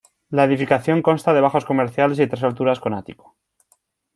La edificación consta de bajos comerciales y tres alturas con ático.